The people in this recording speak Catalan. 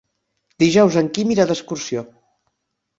Dijous en Quim irà d'excursió.